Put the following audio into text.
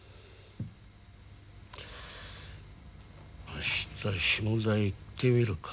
あした下田へ行ってみるか。